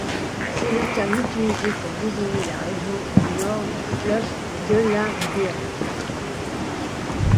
C’est le terme utilisé pour désigner la région au nord du fleuve Delimbiyr.